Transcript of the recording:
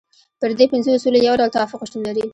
پر دې پنځو اصولو یو ډول توافق شتون لري.